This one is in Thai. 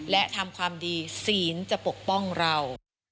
และทำความดีศีลจะปกป้องเรา